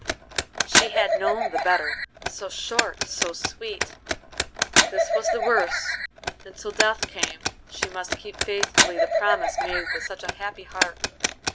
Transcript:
She had known the better, so short, so sweet! This was the worse, and till death came she must keep faithfully the promise made with such a happy heart.